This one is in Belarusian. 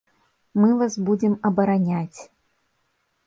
Мы вас будзем абараняць.